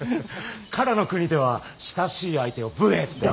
唐の国では親しい相手を武衛って。